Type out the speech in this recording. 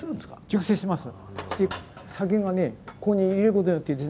熟成します。